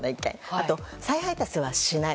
あと再配達はしない。